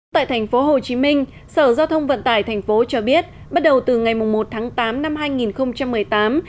tại thành phố hồ chí minh sở giao thông vận tải thành phố cho biết bắt đầu từ ngày một tháng tám năm hai nghìn một mươi tám